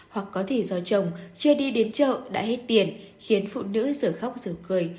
hoặc có thể do chồng chưa đi đến chợ đã hết tiền khiến phụ nữ sở khóc sở cười